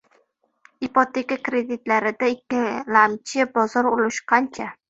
Ipoteka kreditlarida ikkilamchi bozor ulushi qancha